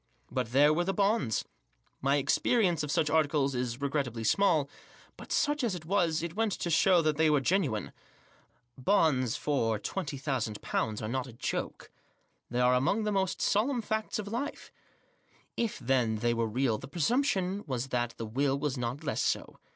But there were the bonds. My experience of such articles is regrettedly small; but, such as it was, it went to show that they were genuine. Bonds for Digitized by 156 THE JOSS. £ »>ooo are not a joke. They are among the most solemn facts of life* If, then, they were real, the presumption was that the will was not less so.